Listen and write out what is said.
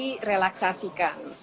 sudah mulai direlaksasikan